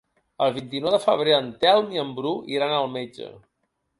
El vint-i-nou de febrer en Telm i en Bru iran al metge.